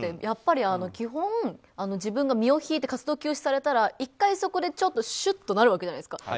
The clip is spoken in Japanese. やっぱり基本自分が身を引いて活動休止されたら１回、そこでシュッとなるわけじゃないですか。